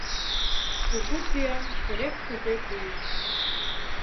Кугу пӱям керек-кузе пӱй